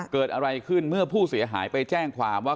เกิดอะไรขึ้นเมื่อผู้เสียหายไปแจ้งความว่า